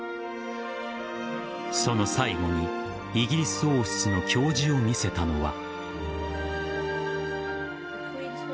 その最後にイギリス王室の矜持を見せたのは。